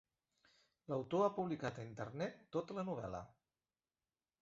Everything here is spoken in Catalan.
L"autor ha publicat a Internet tota la novel·la.